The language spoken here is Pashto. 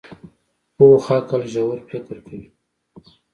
پوخ عقل ژور فکر کوي